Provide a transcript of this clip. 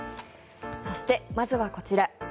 そして、まずはこちら。